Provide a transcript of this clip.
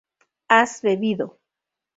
has bebido